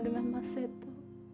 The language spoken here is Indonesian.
dengan mas seto